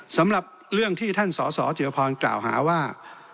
สำหรับเรื่องที่ท่านสสจิรพรกล่าวหาว่า